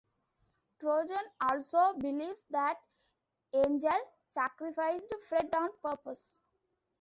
Drogyn also believes that Angel sacrificed Fred on purpose.